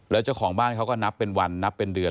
แล้วเจ้าของบ้านเขาก็นับเป็นวันนับเป็นเดือน